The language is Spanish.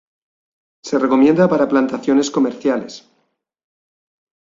Se recomienda para plantaciones comerciales.